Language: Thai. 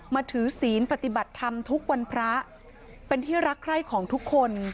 ถือศีลปฏิบัติธรรมทุกวันพระเป็นที่รักใคร่ของทุกคน